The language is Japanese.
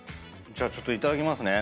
じゃあちょっといただきますね。